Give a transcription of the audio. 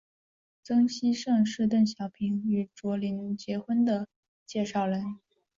曾希圣是邓小平与卓琳结婚的介绍人。